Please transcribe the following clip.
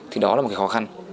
thì đó là một cái khó khăn